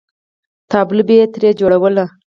تابلو به یې ترې جوړوله.